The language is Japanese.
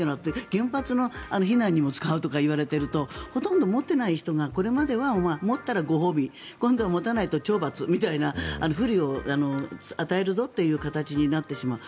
原発の避難にも使うとか言われるとほとんど、持っていない人がこれまでは持ったらご褒美今度は持たないと懲罰みたいな不利を与えるぞという形になってしまう。